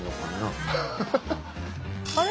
あれ？